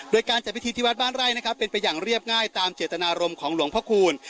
โดยการจัดพิธีที่วัดบ้านไร่นะครับเป็นไปอย่างเรียบง่ายตามเจตนารมณ์ของหลวงพระคูณ